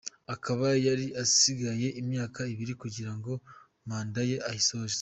Akaba yari asigaje imyaka ibiri kugirango mande ye ayisoze.